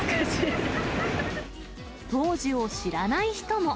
当時を知らない人も。